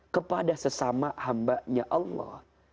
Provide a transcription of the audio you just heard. kepada sesama hambanya allah